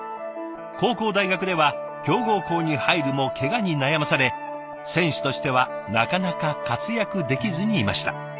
高校大学では強豪校に入るもけがに悩まされ選手としてはなかなか活躍できずにいました。